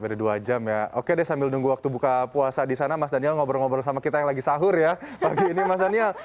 dari dua jam ya oke deh sambil nunggu waktu buka puasa di sana mas daniel ngobrol ngobrol sama kita yang lagi sahur ya pagi ini mas daniel